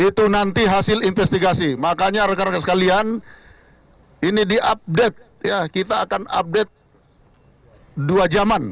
itu nanti hasil investigasi makanya rekan rekan sekalian ini diupdate ya kita akan update dua jaman